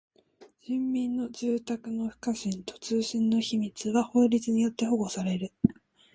人民の住宅の不可侵と通信の秘密は法律によって保護される。